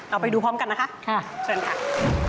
เอาไปดูพร้อมกันนะคะเชิญค่ะค่ะโอเค